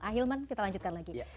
akhilman kita lanjutkan lagi